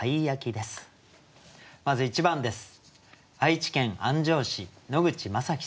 まず１番です。